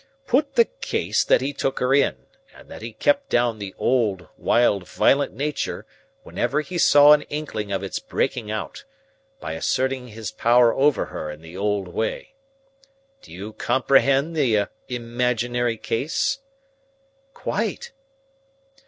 Put the case that he took her in, and that he kept down the old, wild, violent nature whenever he saw an inkling of its breaking out, by asserting his power over her in the old way. Do you comprehend the imaginary case?" "Quite."